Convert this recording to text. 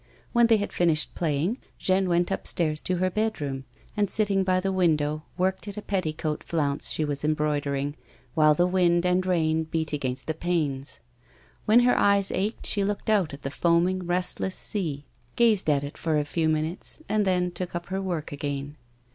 M^'hen they had finished playing, Jeanne went upstairs to her bedroom, and, sitting by the window, worked at a petticoat flounce she was embroidering, while the wind and rain beat against the j^anes. When her eyes ached she looked out at the foamy, restless sea, gazed at it for a few minutes, and then took up her work again.